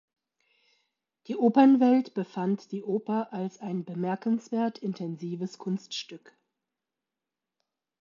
Die Opernwelt befand die Oper als ein „bemerkenswert intensives Kunststück“.